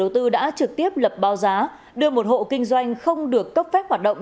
tư đã trực tiếp lập báo giá đưa một hộ kinh doanh không được cấp phép hoạt động